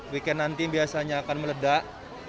weekend nanti biasanya akan meledak